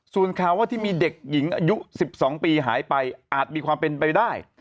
ส่วนข่าวว่าที่มีเด็กหญิงอายุ๑๒ปีหายไปอาจมีความเป็นไปได้